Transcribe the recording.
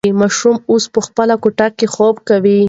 ماشوم اوس په خپله کوټه کې خوب کوي.